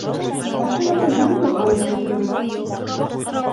Машинаны бөгөн үк алып ҡайтырға!